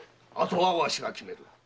あとはわしが決める。